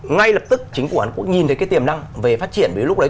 ngay lập tức chính phủ hàn quốc nhìn thấy cái tiềm năng về phát triển với lúc đấy